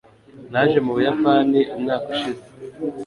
naje mu buyapani umwaka ushize